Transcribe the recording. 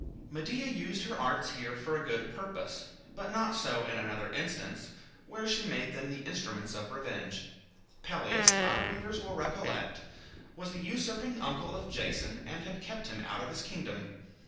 Medea used her arts here for a good purpose, but not so in another instance, where she made them the instruments of revenge. Pelias, our readers will recollect, was the usurping uncle of Jason, and had kept him out of his kingdom.